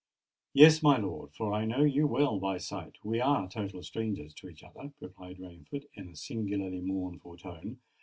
"Yes, my lord—for I know you well by sight—we are total strangers to each other," replied Rainford in a singularly mournful tone.